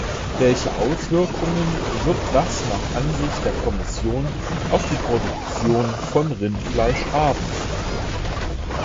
Welche Auswirkungen wird das nach Ansicht der Kommission auf die Produktion von Rindfleisch haben?